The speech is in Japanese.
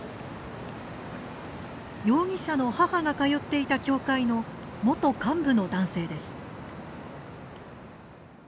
容疑者の母が通っていた教会の元幹部の男性です。